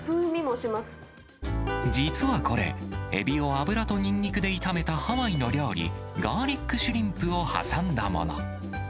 実はこれ、エビを油とニンニクで炒めたハワイの料理、ガーリックシュリンプを挟んだもの。